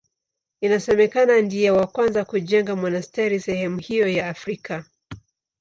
Inasemekana ndiye wa kwanza kujenga monasteri sehemu hiyo ya Afrika.